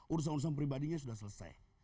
urusan urusan pribadinya sudah selesai